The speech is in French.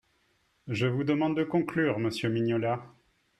Je vous demande de conclure, monsieur Mignola.